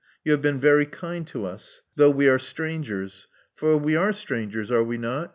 Yon have been very kind to ns, though w«r are strangers. For we are stiangers, are we not?